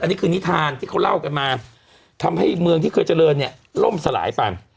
อันนี้คือนิทานที่เขาเล่ากันมาทำให้เมืองที่เคยเจริญเนี่ยล่มสลายไป